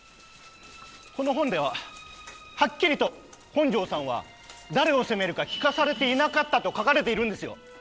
この本でははっきりと本城さんは誰を攻めるか聞かされていなかったと書かれているんですよ。